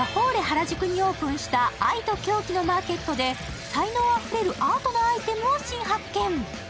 原宿にオープンした愛と狂気のマーケットで才能あふれるアートなアイテムを新発見。